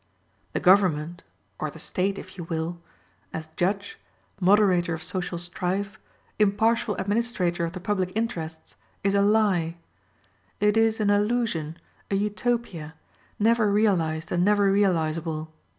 The government or the State, if you will as judge, moderator of social strife, impartial administrator of the public interests, is a lie. It is an illusion, a Utopia, never realized and never realizable.